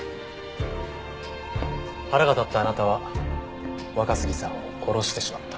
腹が立ったあなたは若杉さんを殺してしまった。